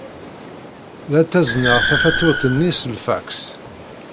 La ttazneɣ tafatuṛt-nni s lfaks.